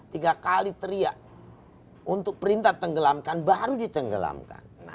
tiga kali teriak untuk perintah tenggelamkan baru ditenggelamkan